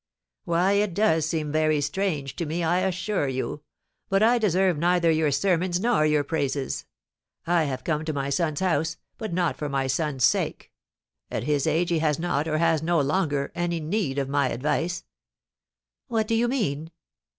"Why, it does seem very strange to me, I assure you; but I deserve neither your sermons nor your praises. I have come to my son's house, but not for my son's sake. At his age, he has not, or has no longer, any need of my advice." "What do you mean?"